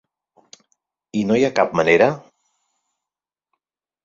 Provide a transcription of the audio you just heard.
I no hi ha cap manera?